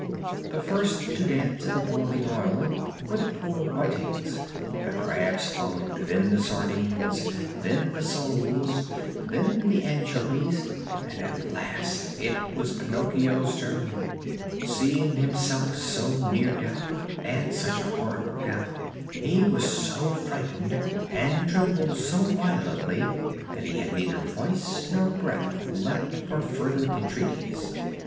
The first to dance in the boiling oil were the poor whitings; the crabs followed, then the sardines, then the soles, then the anchovies, and at last it was Pinocchio's turn. Seeing himself so near death, and such a horrible death, he was so frightened, and trembled so violently, that he had neither voice nor breath left for further entreaties.